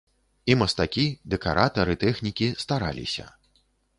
І мастакі, дэкаратары, тэхнікі стараліся.